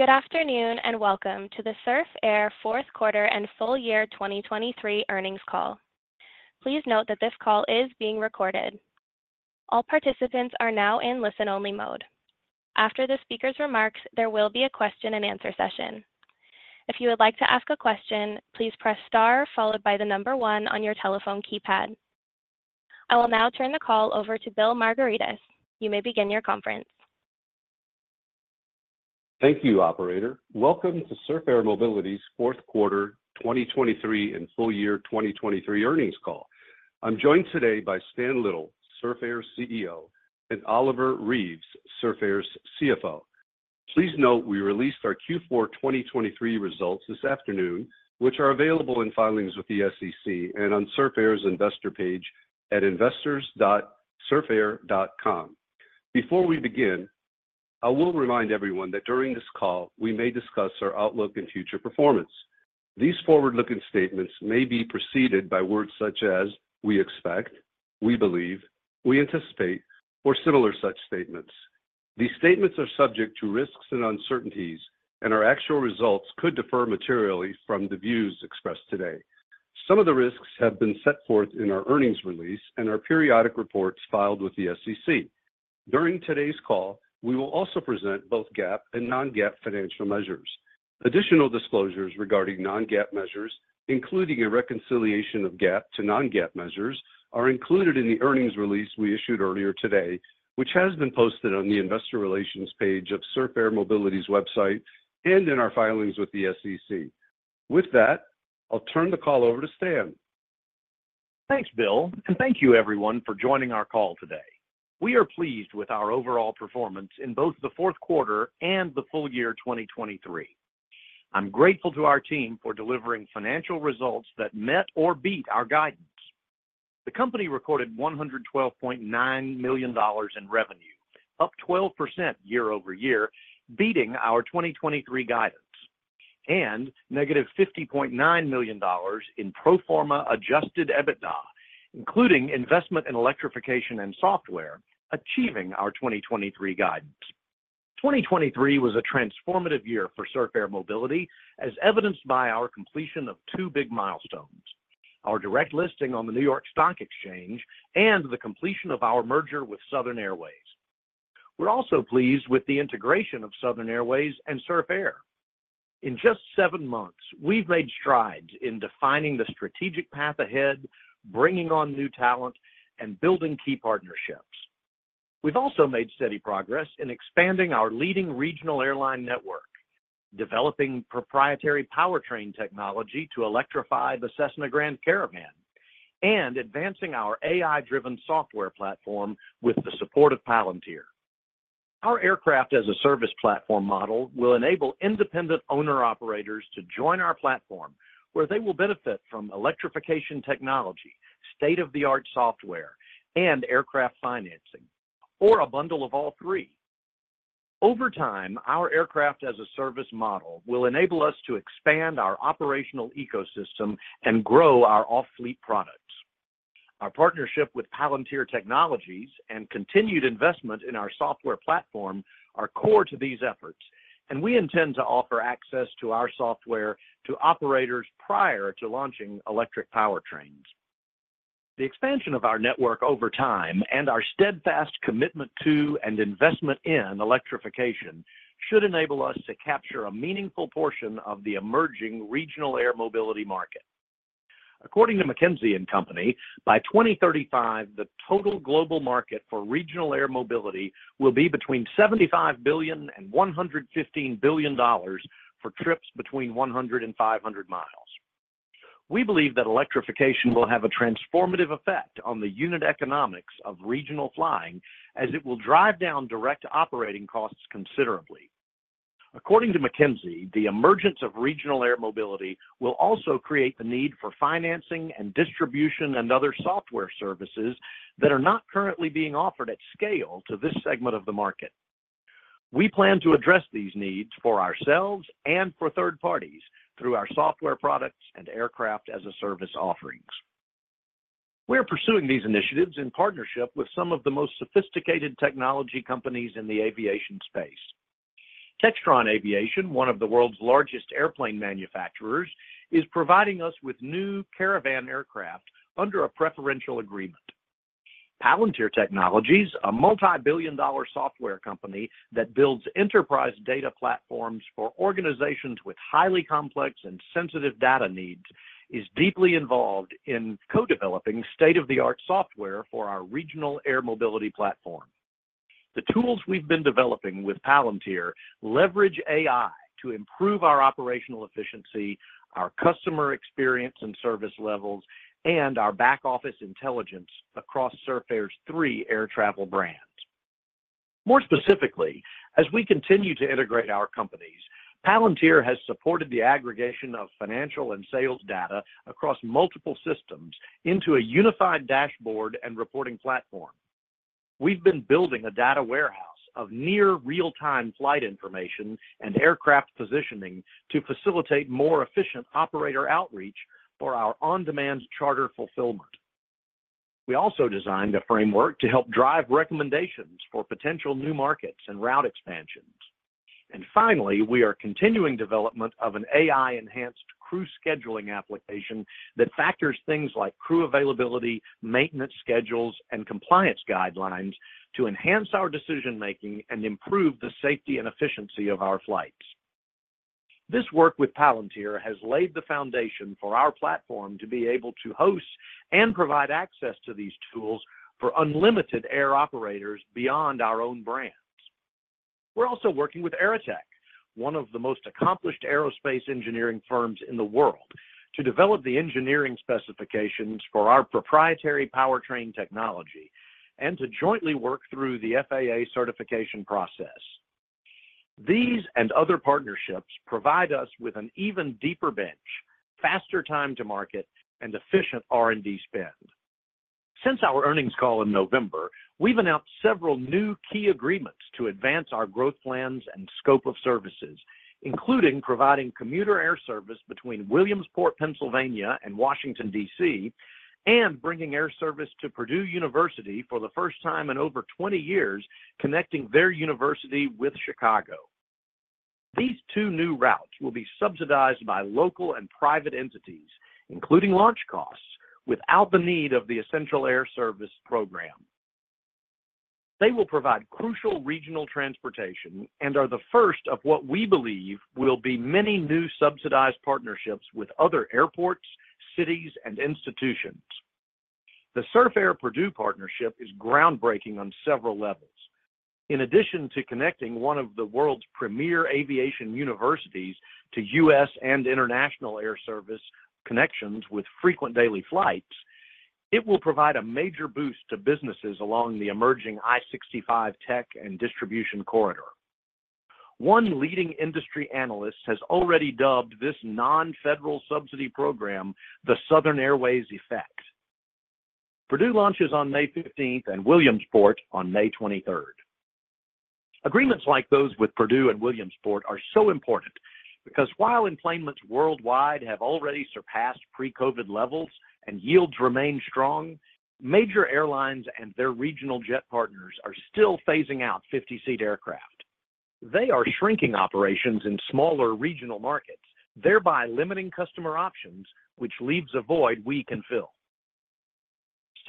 Good afternoon and welcome to the Surf Air Q4 and full year 2023 earnings call. Please note that this call is being recorded. All participants are now in listen-only mode. After the speaker's remarks, there will be a question-and-answer session. If you would like to ask a question, please press star followed by the number 1 on your telephone keypad. I will now turn the call over to Bill Margaritis. You may begin your conference. Thank you, operator. Welcome to Surf Air Mobility's Q4 2023 and full year 2023 earnings call. I'm joined today by Stan Little, Surf Air CEO, and Oliver Reeves, Surf Air's CFO. Please note we released our Q4 2023 results this afternoon, which are available in filings with the SEC and on Surf Air's investor page at investors.surfair.com. Before we begin, I will remind everyone that during this call we may discuss our outlook and future performance. These forward-looking statements may be preceded by words such as "we expect," "we believe," "we anticipate," or similar such statements. These statements are subject to risks and uncertainties, and our actual results could differ materially from the views expressed today. Some of the risks have been set forth in our earnings release and our periodic reports filed with the SEC. During today's call, we will also present both GAAP and non-GAAP financial measures. Additional disclosures regarding non-GAAP measures, including a reconciliation of GAAP to non-GAAP measures, are included in the earnings release we issued earlier today, which has been posted on the investor relations page of Surf Air Mobility's website and in our filings with the SEC. With that, I'll turn the call over to Stan. Thanks, Bill, and thank you, everyone, for joining our call today. We are pleased with our overall performance in both the Q4 and the full year 2023. I'm grateful to our team for delivering financial results that met or beat our guidance. The company recorded $112.9 million in revenue, up 12% year-over-year, beating our 2023 guidance, and -$50.9 million in pro forma adjusted EBITDA, including investment in electrification and software, achieving our 2023 guidance. 2023 was a transformative year for Surf Air Mobility, as evidenced by our completion of two big milestones: our direct listing on the New York Stock Exchange and the completion of our merger with Southern Airways. We're also pleased with the integration of Southern Airways and Surf Air. In just seven months, we've made strides in defining the strategic path ahead, bringing on new talent, and building key partnerships. We've also made steady progress in expanding our leading regional airline network, developing proprietary powertrain technology to electrify the Cessna Grand Caravan, and advancing our AI-driven software platform with the support of Palantir. Our aircraft-as-a-service platform model will enable independent owner-operators to join our platform, where they will benefit from electrification technology, state-of-the-art software, and aircraft financing, or a bundle of all three. Over time, our aircraft-as-a-service model will enable us to expand our operational ecosystem and grow our off-fleet products. Our partnership with Palantir Technologies and continued investment in our software platform are core to these efforts, and we intend to offer access to our software to operators prior to launching electric powertrains. The expansion of our network over time and our steadfast commitment to and investment in electrification should enable us to capture a meaningful portion of the emerging regional air mobility market. According to McKinsey & Company, by 2035, the total global market for regional air mobility will be between $75 billion and $115 billion for trips between 100 and 500 miles. We believe that electrification will have a transformative effect on the unit economics of regional flying, as it will drive down direct operating costs considerably. According to McKinsey, the emergence of regional air mobility will also create the need for financing and distribution and other software services that are not currently being offered at scale to this segment of the market. We plan to address these needs for ourselves and for third parties through our software products and Aircraft-as-a-Service offerings. We're pursuing these initiatives in partnership with some of the most sophisticated technology companies in the aviation space. Textron Aviation, one of the world's largest airplane manufacturers, is providing us with new caravan aircraft under a preferential agreement. Palantir Technologies, a multibillion-dollar software company that builds enterprise data platforms for organizations with highly complex and sensitive data needs, is deeply involved in co-developing state-of-the-art software for our regional air mobility platform. The tools we've been developing with Palantir leverage AI to improve our operational efficiency, our customer experience and service levels, and our back-office intelligence across Surf Air's three air travel brands. More specifically, as we continue to integrate our companies, Palantir has supported the aggregation of financial and sales data across multiple systems into a unified dashboard and reporting platform. We've been building a data warehouse of near-real-time flight information and aircraft positioning to facilitate more efficient operator outreach for our on-demand charter fulfillment. We also designed a framework to help drive recommendations for potential new markets and route expansions. And finally, we are continuing development of an AI-enhanced crew scheduling application that factors things like crew availability, maintenance schedules, and compliance guidelines to enhance our decision-making and improve the safety and efficiency of our flights. This work with Palantir has laid the foundation for our platform to be able to host and provide access to these tools for unlimited air operators beyond our own brands. We're also working with AeroTEC, one of the most accomplished aerospace engineering firms in the world, to develop the engineering specifications for our proprietary powertrain technology and to jointly work through the FAA certification process. These and other partnerships provide us with an even deeper bench, faster time to market, and efficient R&D spend. Since our earnings call in November, we've announced several new key agreements to advance our growth plans and scope of services, including providing commuter air service between Williamsport, Pennsylvania, and Washington, D.C., and bringing air service to Purdue University for the first time in over 20 years, connecting their university with Chicago. These two new routes will be subsidized by local and private entities, including launch costs, without the need of the Essential Air Service program. They will provide crucial regional transportation and are the first of what we believe will be many new subsidized partnerships with other airports, cities, and institutions. The Surf Air Purdue partnership is groundbreaking on several levels. In addition to connecting one of the world's premier aviation universities to U.S. and international air service connections with frequent daily flights, it will provide a major boost to businesses along the emerging I-65 tech and distribution corridor. One leading industry analyst has already dubbed this non-federal subsidy program the "Southern Airways effect." Purdue launches on May 15th and Williamsport on May 23rd. Agreements like those with Purdue and Williamsport are so important because while employments worldwide have already surpassed pre-COVID levels and yields remain strong, major airlines and their regional jet partners are still phasing out 50-seat aircraft. They are shrinking operations in smaller regional markets, thereby limiting customer options, which leaves a void we can fill.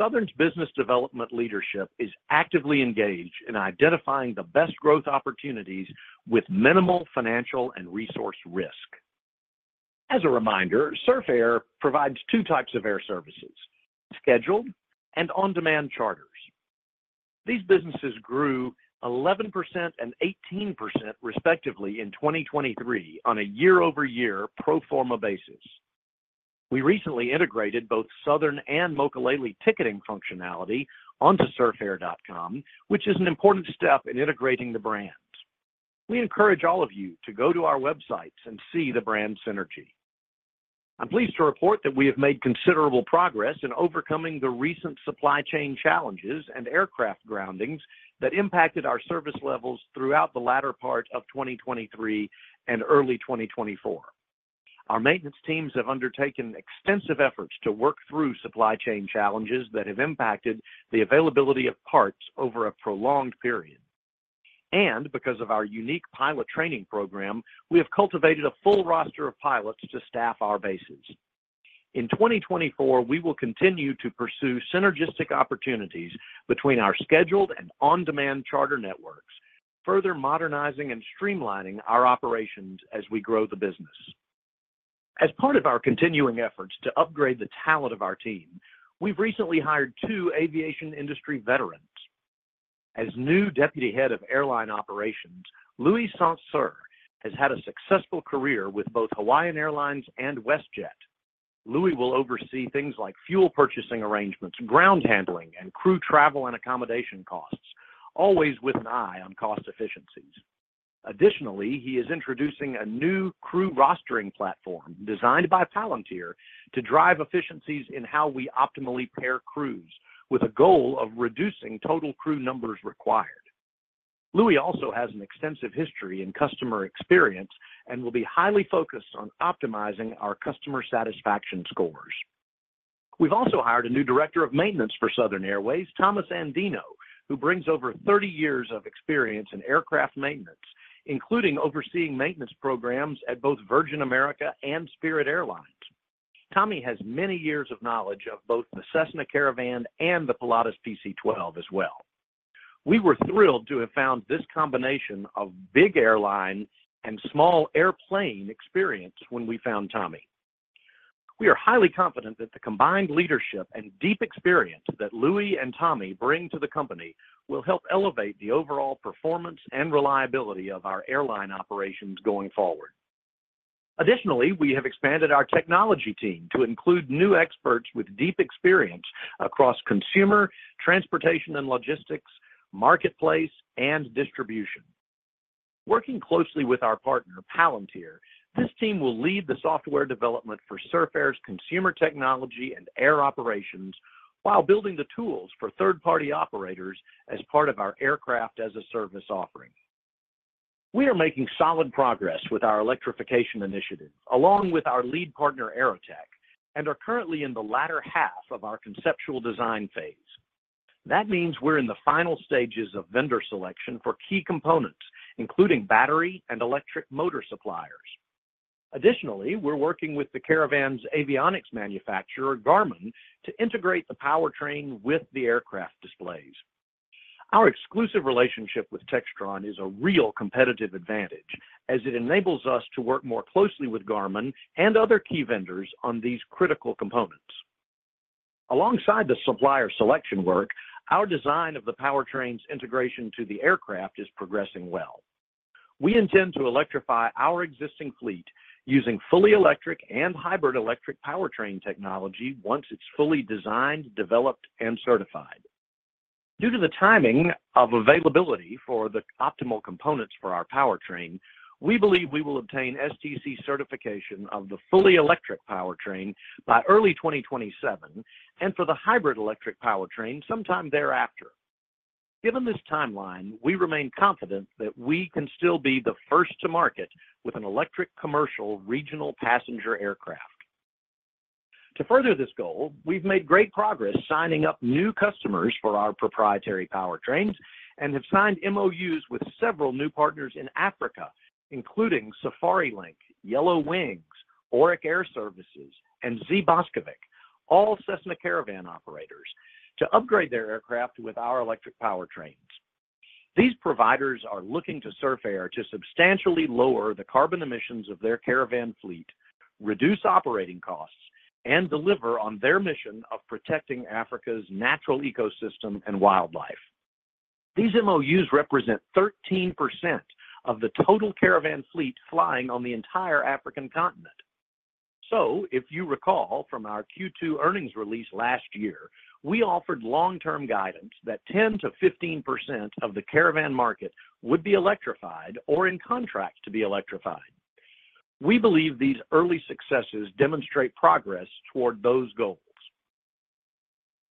Southern's business development leadership is actively engaged in identifying the best growth opportunities with minimal financial and resource risk. As a reminder, Surf Air provides two types of air services: scheduled and on-demand charters. These businesses grew 11% and 18% respectively in 2023 on a year-over-year pro forma basis. We recently integrated both Southern and Mokulele ticketing functionality onto surfair.com, which is an important step in integrating the brands. We encourage all of you to go to our websites and see the brand synergy. I'm pleased to report that we have made considerable progress in overcoming the recent supply chain challenges and aircraft groundings that impacted our service levels throughout the latter part of 2023 and early 2024. Our maintenance teams have undertaken extensive efforts to work through supply chain challenges that have impacted the availability of parts over a prolonged period. And because of our unique pilot training program, we have cultivated a full roster of pilots to staff our bases. In 2024, we will continue to pursue synergistic opportunities between our scheduled and on-demand charter networks, further modernizing and streamlining our operations as we grow the business. As part of our continuing efforts to upgrade the talent of our team, we've recently hired two aviation industry veterans. As new Deputy Head of Airline Operations, Louis Saint-Cyr has had a successful career with both Hawaiian Airlines and WestJet. Louis will oversee things like fuel purchasing arrangements, ground handling, and crew travel and accommodation costs, always with an eye on cost efficiencies. Additionally, he is introducing a new crew rostering platform designed by Palantir to drive efficiencies in how we optimally pair crews, with a goal of reducing total crew numbers required. Louis also has an extensive history and customer experience and will be highly focused on optimizing our customer satisfaction scores. We've also hired a new director of maintenance for Southern Airways, Thomas Andino, who brings over 30 years of experience in aircraft maintenance, including overseeing maintenance programs at both Virgin America and Spirit Airlines. Tommy has many years of knowledge of both the Cessna Caravan and the Pilatus PC-12 as well. We were thrilled to have found this combination of big airline and small airplane experience when we found Tommy. We are highly confident that the combined leadership and deep experience that Louis and Tommy bring to the company will help elevate the overall performance and reliability of our airline operations going forward. Additionally, we have expanded our technology team to include new experts with deep experience across consumer, transportation, and logistics, marketplace, and distribution. Working closely with our partner, Palantir, this team will lead the software development for Surf Air's consumer technology and air operations while building the tools for third-party operators as part of our aircraft-as-a-service offering. We are making solid progress with our electrification initiative, along with our lead partner, AeroTEC, and are currently in the latter half of our conceptual design phase. That means we're in the final stages of vendor selection for key components, including battery and electric motor suppliers. Additionally, we're working with the Caravan's avionics manufacturer, Garmin, to integrate the powertrain with the aircraft displays. Our exclusive relationship with Textron is a real competitive advantage, as it enables us to work more closely with Garmin and other key vendors on these critical components. Alongside the supplier selection work, our design of the powertrain's integration to the aircraft is progressing well. We intend to electrify our existing fleet using fully electric and hybrid electric powertrain technology once it's fully designed, developed, and certified. Due to the timing of availability for the optimal components for our powertrain, we believe we will obtain STC certification of the fully electric powertrain by early 2027 and for the hybrid electric powertrain sometime thereafter. Given this timeline, we remain confident that we can still be the first to market with an electric commercial regional passenger aircraft. To further this goal, we've made great progress signing up new customers for our proprietary powertrains and have signed MOUs with several new partners in Africa, including Safarilink, Yellow Wings, Auric Air Services, and Boskovic, all Cessna Caravan operators, to upgrade their aircraft with our electric powertrains. These providers are looking to Surf Air to substantially lower the carbon emissions of their caravan fleet, reduce operating costs, and deliver on their mission of protecting Africa's natural ecosystem and wildlife. These MOUs represent 13% of the total caravan fleet flying on the entire African continent. So if you recall from our Q2 earnings release last year, we offered long-term guidance that 10%-15% of the caravan market would be electrified or in contract to be electrified. We believe these early successes demonstrate progress toward those goals.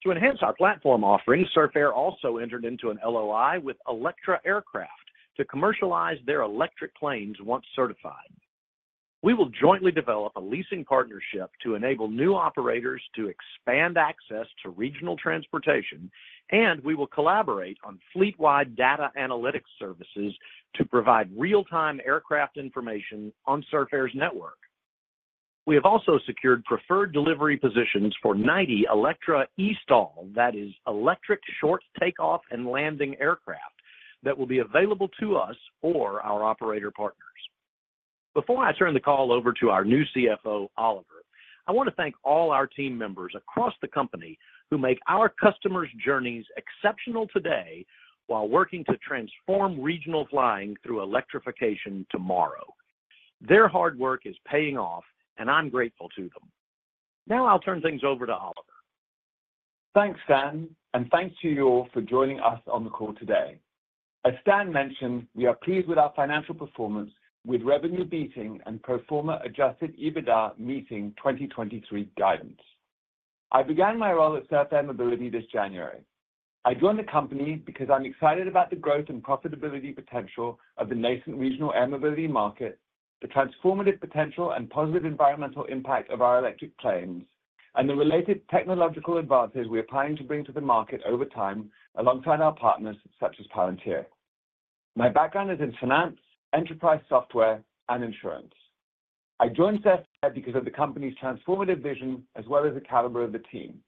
To enhance our platform offerings, Surf Air also entered into an LOI with Electra.aero to commercialize their electric planes once certified. We will jointly develop a leasing partnership to enable new operators to expand access to regional transportation, and we will collaborate on fleet-wide data analytics services to provide real-time aircraft information on Surf Air's network. We have also secured preferred delivery positions for 90 Electra eSTOL, that is, electric short takeoff and landing aircraft, that will be available to us or our operator partners. Before I turn the call over to our new CFO, Oliver, I want to thank all our team members across the company who make our customers' journeys exceptional today while working to transform regional flying through electrification tomorrow. Their hard work is paying off, and I'm grateful to them. Now I'll turn things over to Oliver. Thanks, Stan, and thanks to you all for joining us on the call today. As Stan mentioned, we are pleased with our financial performance with revenue beating and pro forma adjusted EBITDA meeting 2023 guidance. I began my role at Surf Air Mobility this January. I joined the company because I'm excited about the growth and profitability potential of the nascent regional air mobility market, the transformative potential and positive environmental impact of our electric planes, and the related technological advances we're planning to bring to the market over time alongside our partners such as Palantir. My background is in finance, enterprise software, and insurance. I joined Surf Air because of the company's transformative vision as well as the caliber of the team.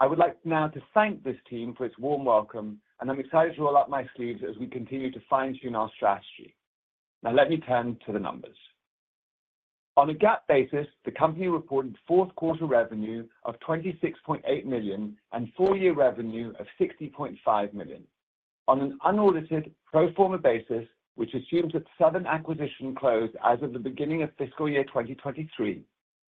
I would like now to thank this team for its warm welcome, and I'm excited to roll up my sleeves as we continue to fine-tune our strategy. Now let me turn to the numbers. On a GAAP basis, the company reported Q4 revenue of $26.8 million and full-year revenue of $60.5 million. On an unaudited pro forma basis, which assumes that Southern acquisition closed as of the beginning of fiscal year 2023,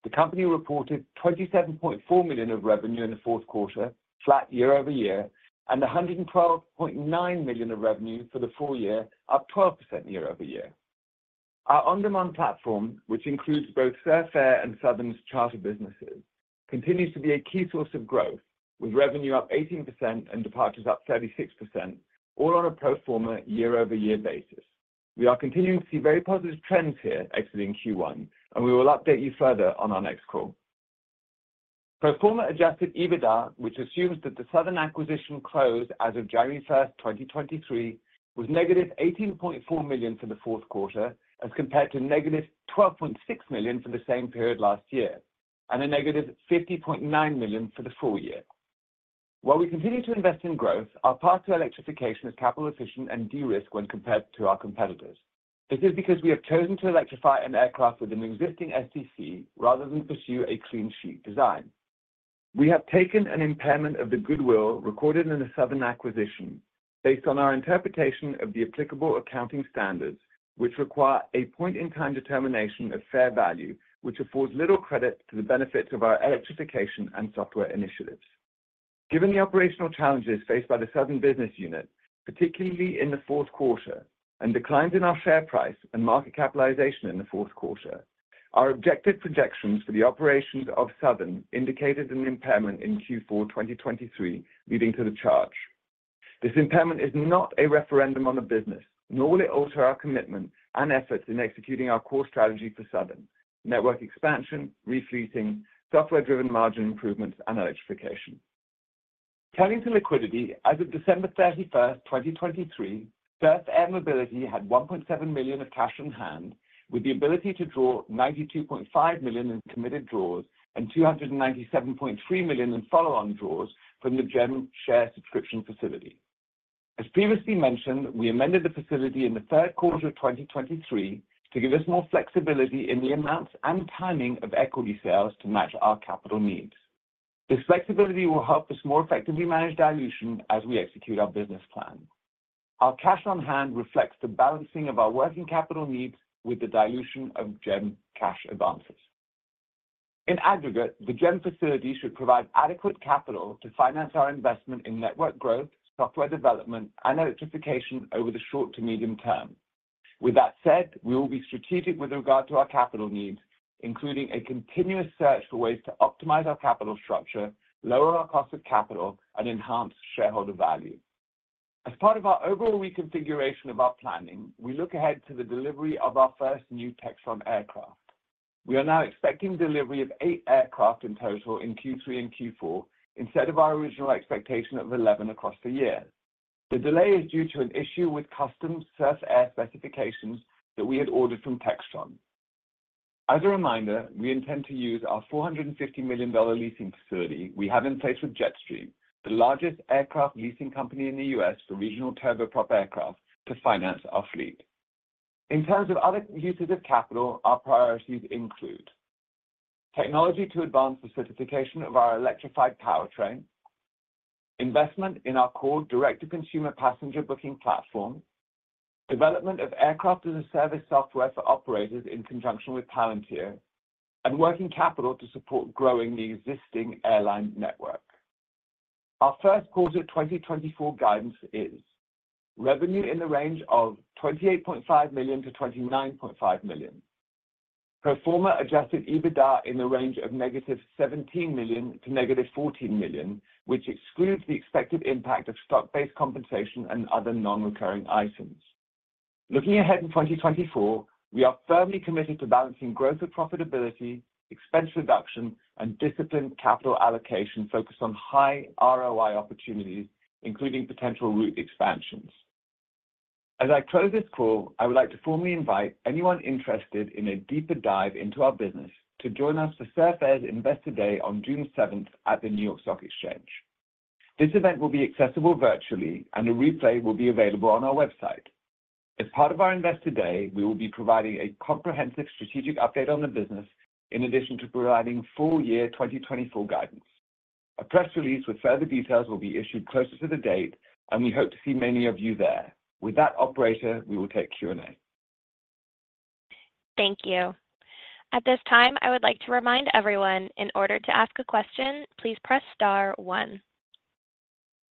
the company reported $27.4 million of revenue in the Q4, flat year-over-year, and $112.9 million of revenue for the full year, up 12% year-over-year. Our on-demand platform, which includes both Surf Air and Southern's charter businesses, continues to be a key source of growth, with revenue up 18% and departures up 36%, all on a pro forma year-over-year basis. We are continuing to see very positive trends here exiting Q1, and we will update you further on our next call. Pro forma adjusted EBITDA, which assumes that the Southern acquisition closed as of January 1st, 2023, was -$18.4 million for the Q4 as compared to -$12.6 million for the same period last year and a -$50.9 million for the full year. While we continue to invest in growth, our path to electrification is capital-efficient and de-risk when compared to our competitors. This is because we have chosen to electrify an aircraft with an existing STC rather than pursue a clean sheet design. We have taken an impairment of the goodwill recorded in the Southern acquisition based on our interpretation of the applicable accounting standards, which require a point-in-time determination of fair value, which affords little credit to the benefits of our electrification and software initiatives. Given the operational challenges faced by the Southern business unit, particularly in the Q4, and declines in our share price and market capitalization in the Q4, our objective projections for the operations of Southern indicated an impairment in Q4 2023 leading to the charge. This impairment is not a referendum on the business, nor will it alter our commitment and efforts in executing our core strategy for Southern: network expansion, refleeting, software-driven margin improvements, and electrification. Turning to liquidity, as of December 31st, 2023, Surf Air Mobility had $1.7 million of cash on hand with the ability to draw $92.5 million in committed draws and $297.3 million in follow-on draws from the GEM share subscription facility. As previously mentioned, we amended the facility in the Q3 of 2023 to give us more flexibility in the amounts and timing of equity sales to match our capital needs. This flexibility will help us more effectively manage dilution as we execute our business plan. Our cash on hand reflects the balancing of our working capital needs with the dilution of GEM cash advances. In aggregate, the GEM facility should provide adequate capital to finance our investment in network growth, software development, and electrification over the short to medium term. With that said, we will be strategic with regard to our capital needs, including a continuous search for ways to optimize our capital structure, lower our cost of capital, and enhance shareholder value. As part of our overall reconfiguration of our planning, we look ahead to the delivery of our first new Textron aircraft. We are now expecting delivery of 8 aircraft in total in Q3 and Q4 instead of our original expectation of 11 across the year. The delay is due to an issue with customs, Surf Air specifications that we had ordered from Textron. As a reminder, we intend to use our $450 million leasing facility we have in place with Jetstream, the largest aircraft leasing company in the U.S. for regional turboprop aircraft, to finance our fleet. In terms of other uses of capital, our priorities include technology to advance the certification of our electrified powertrain, investment in our core direct-to-consumer passenger booking platform, development of aircraft-as-a-service software for operators in conjunction with Palantir, and working capital to support growing the existing airline network. Our Q1 2024 guidance is revenue in the range of $28.5 million-$29.5 million, pro forma adjusted EBITDA in the range of -$17 million to -$14 million, which excludes the expected impact of stock-based compensation and other non-recurring items. Looking ahead in 2024, we are firmly committed to balancing growth with profitability, expense reduction, and disciplined capital allocation focused on high ROI opportunities, including potential route expansions. As I close this call, I would like to formally invite anyone interested in a deeper dive into our business to join us for Surf Air's Investor Day on June 7th at the New York Stock Exchange. This event will be accessible virtually, and a replay will be available on our website. As part of our Investor Day, we will be providing a comprehensive strategic update on the business in addition to providing full-year 2024 guidance. A press release with further details will be issued closer to the date, and we hope to see many of you there. With that, operator, we will take Q&A. Thank you. At this time, I would like to remind everyone, in order to ask a question, please press star one.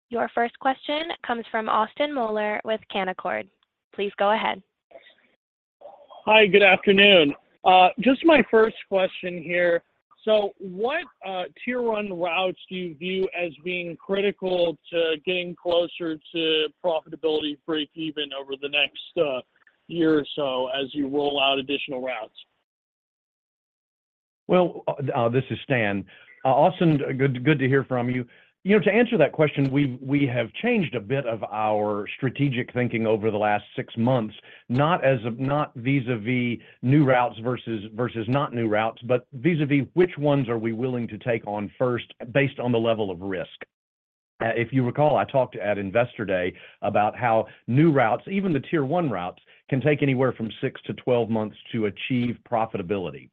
Your first question comes from Austin Moeller with Canaccord. Please go ahead. Hi, good afternoon. Just my first question here. What tier one routes do you view as being critical to getting closer to profitability break-even over the next year or so as you roll out additional routes? Well, this is Stan. Austin, good to hear from you. To answer that question, we have changed a bit of our strategic thinking over the last 6 months, not vis-à-vis new routes versus not new routes, but vis-à-vis which ones are we willing to take on first based on the level of risk. If you recall, I talked at Investor Day about how new routes, even the tier 1 routes, can take anywhere from 6-12 months to achieve profitability.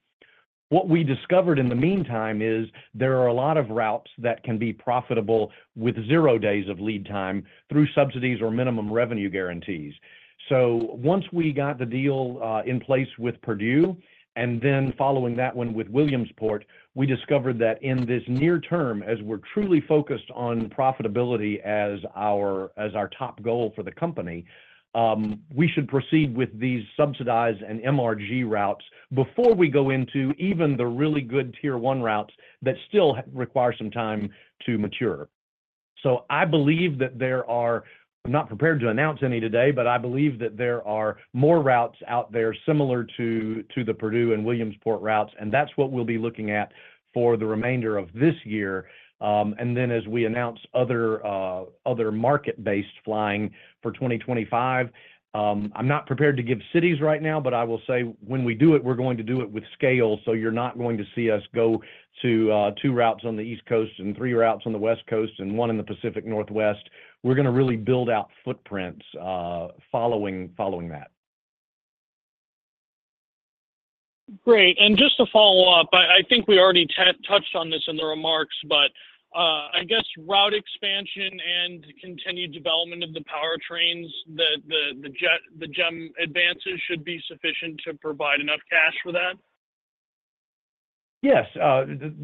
What we discovered in the meantime is there are a lot of routes that can be profitable with 0 days of lead time through subsidies or minimum revenue guarantees. So once we got the deal in place with Purdue and then following that one with Williamsport, we discovered that in this near term, as we're truly focused on profitability as our top goal for the company, we should proceed with these subsidized and MRG routes before we go into even the really good tier one routes that still require some time to mature. So I believe that there are, I'm not prepared to announce any today, but I believe that there are more routes out there similar to the Purdue and Williamsport routes, and that's what we'll be looking at for the remainder of this year. And then as we announce other market-based flying for 2025, I'm not prepared to give cities right now, but I will say when we do it, we're going to do it with scale. You're not going to see us go to two routes on the East Coast and three routes on the West Coast and one in the Pacific Northwest. We're going to really build out footprints following that. Great. Just to follow up, I think we already touched on this in the remarks, but I guess route expansion and continued development of the powertrains, the GEM advances should be sufficient to provide enough cash for that? Yes.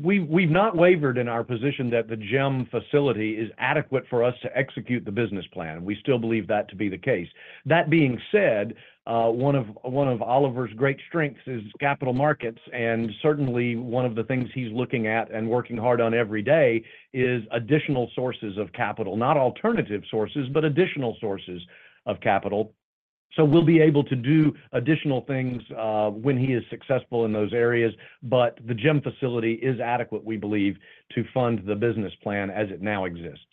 We've not wavered in our position that the GEM facility is adequate for us to execute the business plan. We still believe that to be the case. That being said, one of Oliver's great strengths is capital markets, and certainly one of the things he's looking at and working hard on every day is additional sources of capital, not alternative sources, but additional sources of capital. So we'll be able to do additional things when he is successful in those areas, but the GEM facility is adequate, we believe, to fund the business plan as it now exists.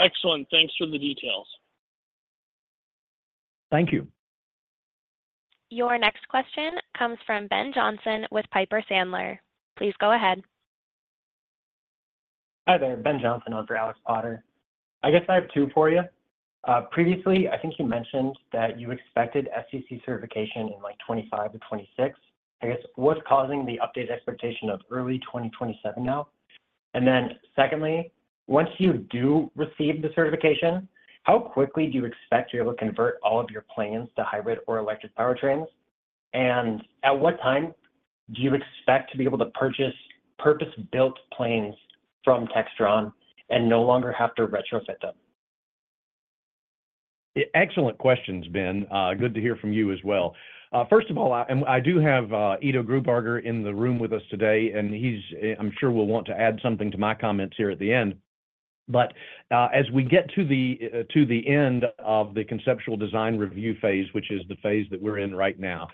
Excellent. Thanks for the details. Thank you. Your next question comes from Ben Johnson with Piper Sandler. Please go ahead. Hi there. Ben Johnson over at Alex Potter. I guess I have two for you. Previously, I think you mentioned that you expected STC certification in 2025-2026. I guess what's causing the updated expectation of early 2027 now? And then secondly, once you do receive the certification, how quickly do you expect to be able to convert all of your planes to hybrid or electric powertrains? And at what time do you expect to be able to purchase purpose-built planes from Textron and no longer have to retrofit them? Excellent questions, Ben. Good to hear from you as well. First of all, and I do have Ido Grinberg in the room with us today, and I'm sure will want to add something to my comments here at the end. But as we get to the end of the conceptual design review phase, which is the phase that we're in right now,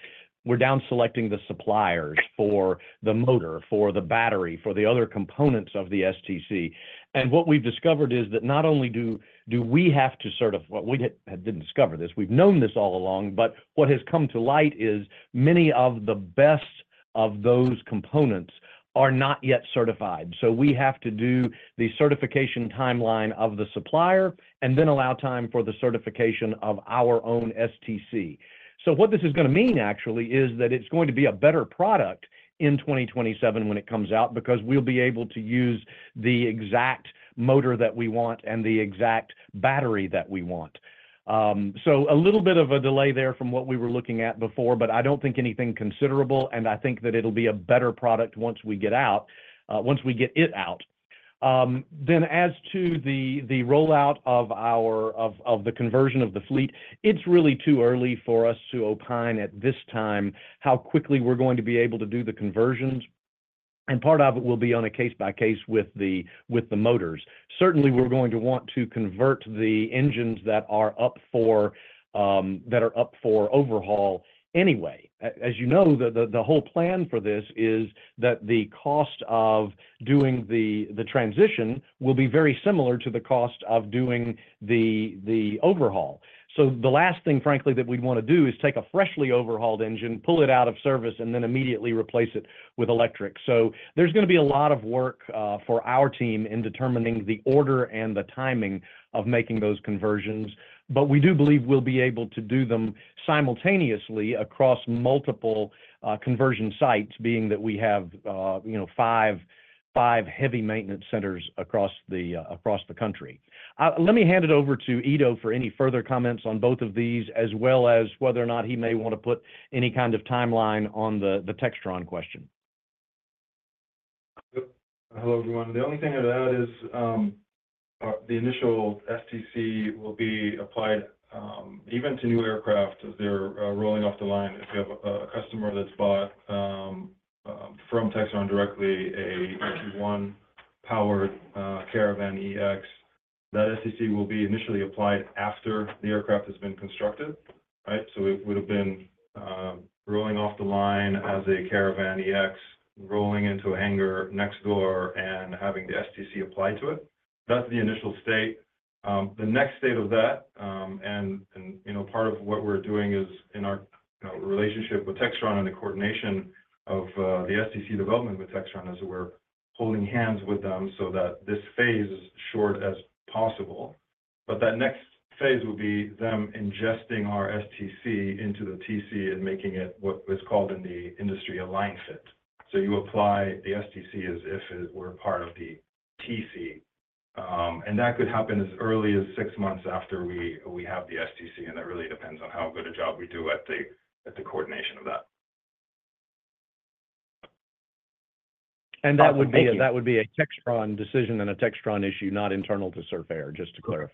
we're down selecting the suppliers for the motor, for the battery, for the other components of the STC. And what we've discovered is that not only do we have to certify we didn't discover this. We've known this all along, but what has come to light is many of the best of those components are not yet certified. So we have to do the certification timeline of the supplier and then allow time for the certification of our own STC. So what this is going to mean, actually, is that it's going to be a better product in 2027 when it comes out because we'll be able to use the exact motor that we want and the exact battery that we want. So a little bit of a delay there from what we were looking at before, but I don't think anything considerable, and I think that it'll be a better product once we get out, once we get it out. Then as to the rollout of the conversion of the fleet, it's really too early for us to opine at this time how quickly we're going to be able to do the conversions. And part of it will be on a case-by-case with the motors. Certainly, we're going to want to convert the engines that are up for overhaul anyway. As you know, the whole plan for this is that the cost of doing the transition will be very similar to the cost of doing the overhaul. So the last thing, frankly, that we'd want to do is take a freshly overhauled engine, pull it out of service, and then immediately replace it with electric. So there's going to be a lot of work for our team in determining the order and the timing of making those conversions. But we do believe we'll be able to do them simultaneously across multiple conversion sites, being that we have five heavy maintenance centers across the country. Let me hand it over to Ido for any further comments on both of these, as well as whether or not he may want to put any kind of timeline on the Textron question. Hello, everyone. The only thing I'd add is the initial STC will be applied even to new aircraft as they're rolling off the line. If you have a customer that's bought from Textron directly a EP1-powered Caravan EX, that STC will be initially applied after the aircraft has been constructed, right? So it would have been rolling off the line as a Caravan EX, rolling into a hangar next door, and having the STC applied to it. That's the initial state. The next state of that, and part of what we're doing is in our relationship with Textron and the coordination of the STC development with Textron, is we're holding hands with them so that this phase is short as possible. But that next phase will be them ingesting our STC into the TC and making it what is called in the industry a line fit. You apply the STC as if it were part of the TC. That could happen as early as six months after we have the STC, and that really depends on how good a job we do at the coordination of that. That would be a Textron decision and a Textron issue, not internal to Surf Air, just to clarify.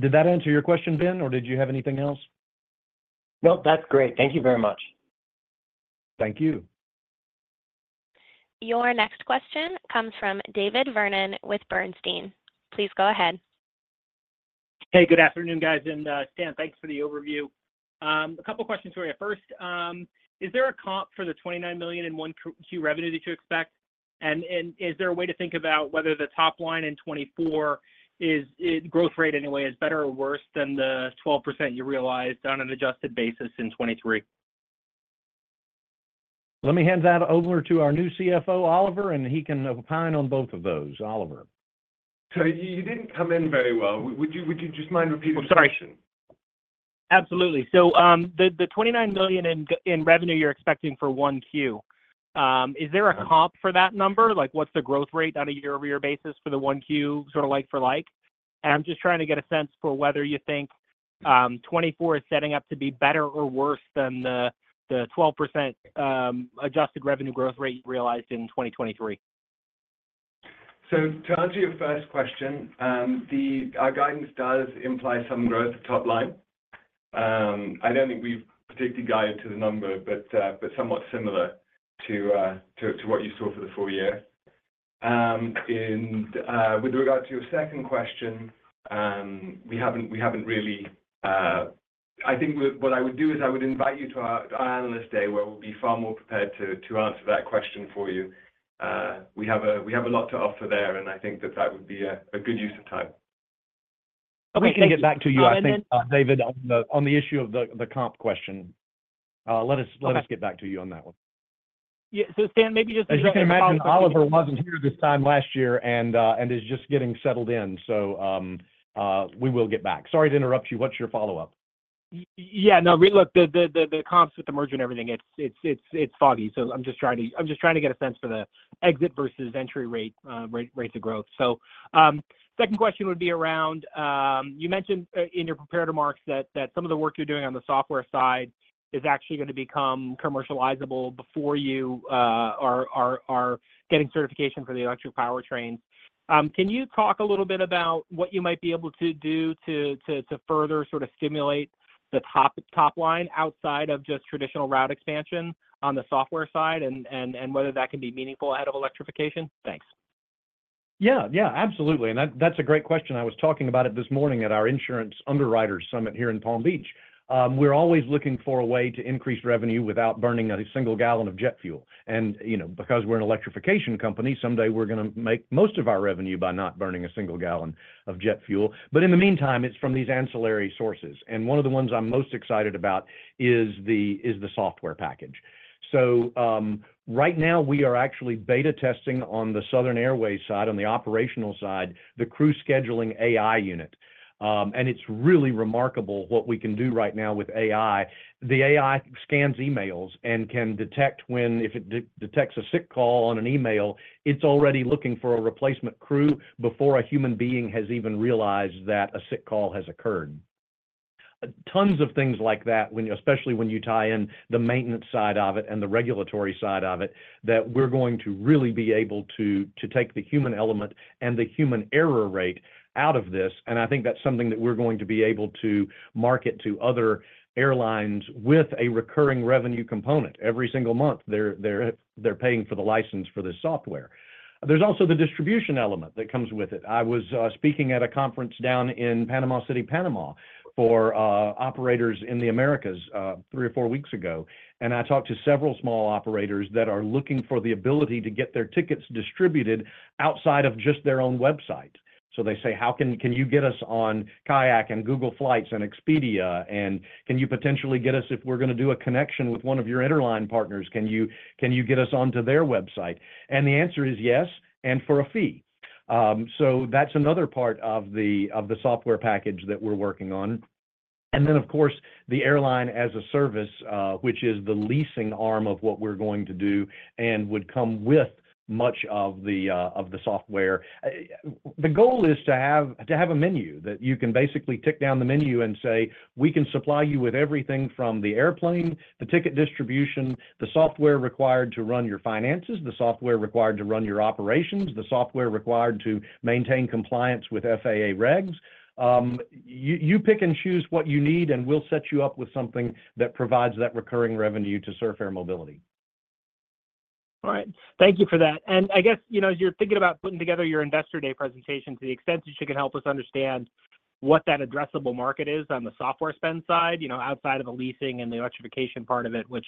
Did that answer your question, Ben, or did you have anything else? Nope, that's great. Thank you very much. Thank you. Your next question comes from David Vernon with Bernstein. Please go ahead. Hey, good afternoon, guys. And Stan, thanks for the overview. A couple of questions for you. First, is there a comp for the $29 million in Q1 revenue that you expect? And is there a way to think about whether the top line in 2024 is growth rate anyway is better or worse than the 12% you realized on an adjusted basis in 2023? Let me hand that over to our new CFO, Oliver, and he can opine on both of those. Oliver. You didn't come in very well. Would you just mind repeating the question? I'm sorry. Absolutely. So the $29 million in revenue you're expecting for Q1, is there a comp for that number? What's the growth rate on a year-over-year basis for the Q1, sort of like-for-like? And I'm just trying to get a sense for whether you think 2024 is setting up to be better or worse than the 12% adjusted revenue growth rate you realized in 2023. To answer your first question, our guidance does imply some growth at top line. I don't think we've particularly guided to the number, but somewhat similar to what you saw for the full year. With regard to your second question, we haven't really. I think what I would do is I would invite you to our analyst day, where we'll be far more prepared to answer that question for you. We have a lot to offer there, and I think that that would be a good use of time. Okay. I'll get back to you, I think, David, on the issue of the comp question. Let us get back to you on that one. Yeah. Stan, maybe just to direct your question. I just can't imagine Oliver wasn't here this time last year and is just getting settled in, so we will get back. Sorry to interrupt you. What's your follow-up? Yeah. No, look, the comps with the merger and everything, it's foggy. So I'm just trying to get a sense for the exit versus entry rate rates of growth. So second question would be around you mentioned in your prepared remarks that some of the work you're doing on the software side is actually going to become commercializable before you are getting certification for the electric powertrains. Can you talk a little bit about what you might be able to do to further sort of stimulate the top line outside of just traditional route expansion on the software side and whether that can be meaningful ahead of electrification? Thanks. Yeah. Yeah, absolutely. That's a great question. I was talking about it this morning at our insurance underwriter summit here in Palm Beach. We're always looking for a way to increase revenue without burning a single gallon of jet fuel. And because we're an electrification company, someday we're going to make most of our revenue by not burning a single gallon of jet fuel. But in the meantime, it's from these ancillary sources. And one of the ones I'm most excited about is the software package. So right now, we are actually beta testing on the Southern Airways side, on the operational side, the crew scheduling AI unit. And it's really remarkable what we can do right now with AI. The AI scans emails and can detect if it detects a sick call on an email. It's already looking for a replacement crew before a human being has even realized that a sick call has occurred. Tons of things like that, especially when you tie in the maintenance side of it and the regulatory side of it, that we're going to really be able to take the human element and the human error rate out of this. And I think that's something that we're going to be able to market to other airlines with a recurring revenue component. Every single month, they're paying for the license for this software. There's also the distribution element that comes with it. I was speaking at a conference down in Panama City, Panama for operators in the Americas three or four weeks ago. I talked to several small operators that are looking for the ability to get their tickets distributed outside of just their own website. So they say, "How can you get us on KAYAK and Google Flights and Expedia? And can you potentially get us if we're going to do a connection with one of your interline partners, can you get us onto their website?" The answer is yes, and for a fee. That's another part of the software package that we're working on. Of course, the airline as a service, which is the leasing arm of what we're going to do and would come with much of the software. The goal is to have a menu that you can basically tick down the menu and say, "We can supply you with everything from the airplane, the ticket distribution, the software required to run your finances, the software required to run your operations, the software required to maintain compliance with FAA regs." You pick and choose what you need, and we'll set you up with something that provides that recurring revenue to Surf Air Mobility. All right. Thank you for that. And I guess as you're thinking about putting together your investor day presentation to the extent that you can help us understand what that addressable market is on the software spend side, outside of the leasing and the electrification part of it, which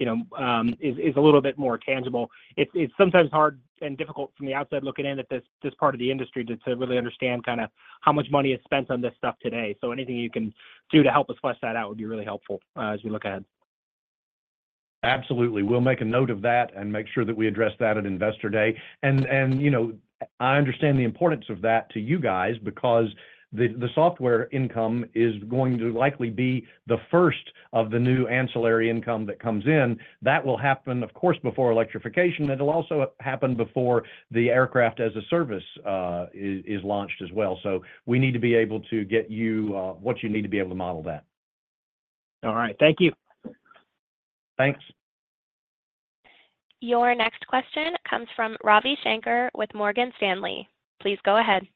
is a little bit more tangible, it's sometimes hard and difficult from the outside looking in at this part of the industry to really understand kind of how much money is spent on this stuff today. So anything you can do to help us flesh that out would be really helpful as we look ahead. Absolutely. We'll make a note of that and make sure that we address that at Investor Day. I understand the importance of that to you guys because the software income is going to likely be the first of the new ancillary income that comes in. That will happen, of course, before electrification. It'll also happen before the aircraft as a service is launched as well. So we need to be able to get you what you need to be able to model that. All right. Thank you. Thanks. Your next question comes from Ravi Shanker with Morgan Stanley. Please go ahead.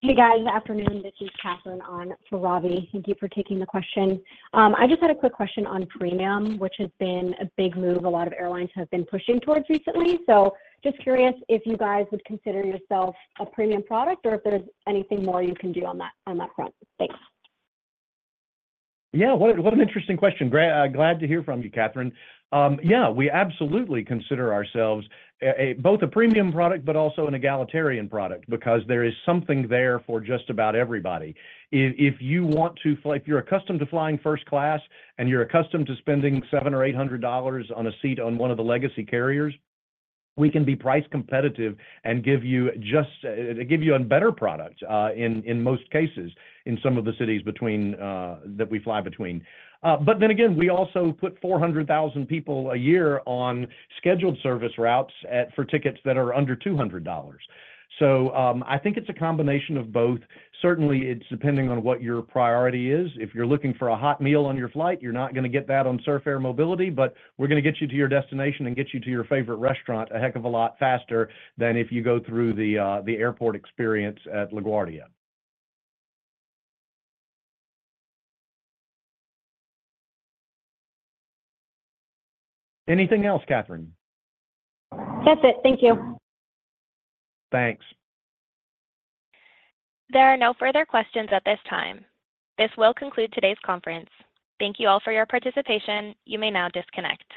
Hey, guys. Good afternoon. This is Catherine for Ravi. Thank you for taking the question. I just had a quick question on premium, which has been a big move a lot of airlines have been pushing towards recently. So just curious if you guys would consider yourself a premium product or if there's anything more you can do on that front. Thanks. Yeah. What an interesting question. Glad to hear from you, Catherine. Yeah, we absolutely consider ourselves both a premium product but also an egalitarian product because there is something there for just about everybody. If you're accustomed to flying first class and you're accustomed to spending $700 or $800 on a seat on one of the legacy carriers, we can be price competitive and give you a better product in most cases in some of the cities that we fly between. But then again, we also put 400,000 people a year on scheduled service routes for tickets that are under $200. So I think it's a combination of both. Certainly, it's depending on what your priority is. If you're looking for a hot meal on your flight, you're not going to get that on Surf Air Mobility, but we're going to get you to your destination and get you to your favorite restaurant a heck of a lot faster than if you go through the airport experience at LaGuardia. Anything else, Catherine? That's it. Thank you. Thanks. There are no further questions at this time. This will conclude today's conference. Thank you all for your participation. You may now disconnect.